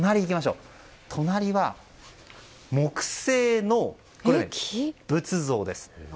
隣は木製の仏像です。